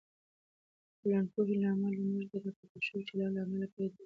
د ټولنپوهنې له امله، موږ د راپیدا شوي چلند له امله پوهیدلی شو.